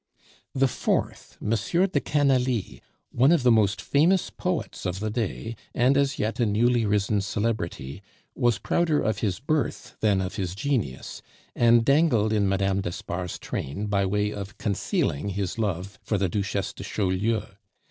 The fourth, M. de Canalis, one of the most famous poets of the day, and as yet a newly risen celebrity, was prouder of his birth than of his genius, and dangled in Mme. d'Espard's train by way of concealing his love for the Duchesse de Chaulieu.